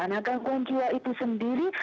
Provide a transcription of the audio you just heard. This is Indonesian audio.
nah gangguan jiwa itu sendiri